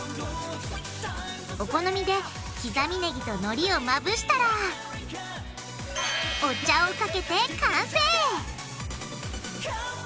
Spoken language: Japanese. お好みできざみネギとのりをまぶしたらお茶をかけて完成！